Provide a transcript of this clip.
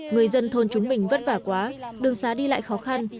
người dân thôn chúng mình vất vả quá đường xá đi lại khó khăn